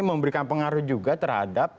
memberikan pengaruh juga terhadap